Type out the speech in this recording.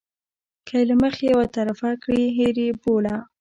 که یې له مخې یو طرفه کړي هېر یې بوله.